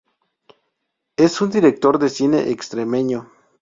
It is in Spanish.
Es un director de cine extremeño.